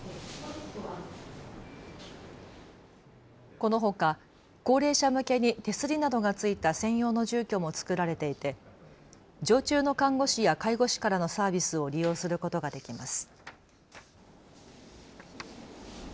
このほか高齢者向けに手すりなどが付いた専用の住居もつくられていて常駐の看護師や介護士からのサービスを利用することができます。